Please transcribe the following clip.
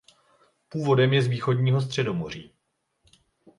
Původem je z východního Středomoří.